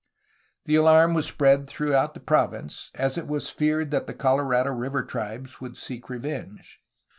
The alarm was spread throughout the province, as it was feared that the Colorado River tribes would seek revenge.